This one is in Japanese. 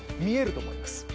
見えると思います。